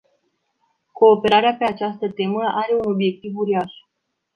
Cooperarea pe această temă are un obiectiv uriaș.